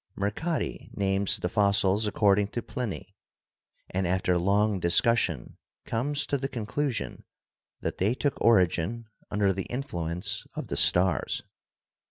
Mercati names the fossils according to Pliny, and after long dis cussion comes to the conclusion that they took origin under the influence of the stars.